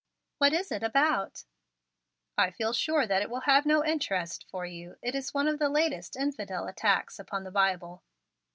What is it about?" "I feel sure that it will have no interest for you. It is one of the latest infidel attacks upon the Bible."